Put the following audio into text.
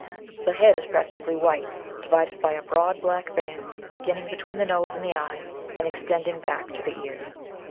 The head is practically white, divided by a broad black band beginning between the nose and the eye and extending back to the ear.